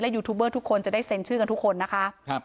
และไม่มีทุกคนจะได้ซื้อทุกคนนะคะ